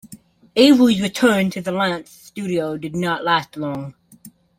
Avery's return to the Lantz studio did not last long.